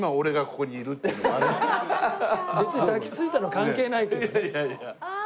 別に抱きついたの関係ないけどね。